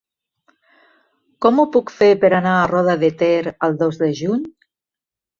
Com ho puc fer per anar a Roda de Ter el dos de juny?